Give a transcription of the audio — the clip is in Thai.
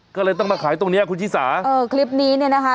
ก็เลยต้องมาขายตรงเนี้ยคุณชิสาเออคลิปนี้เนี่ยนะคะ